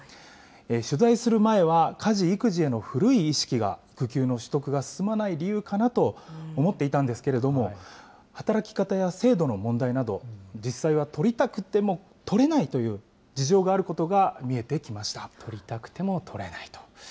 取材する前は、家事・育児への古い意識が、育休の取得が進まない理由かなと思っていたんですけれども、働き方や制度の問題など、実際は取りたくても取れないという事情があ取りたくても取れないと。